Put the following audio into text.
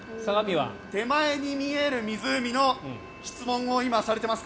手前に見える湖の質問を私は今されていますか？